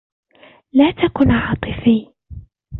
لا تكن عاطفى